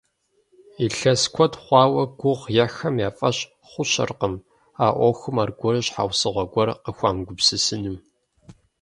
Илъэс куэд хъуауэ гугъу ехьхэм я фӀэщ хъущэркъым а Ӏуэхум аргуэру щхьэусыгъуэ гуэр къыхуамыгупсысыну.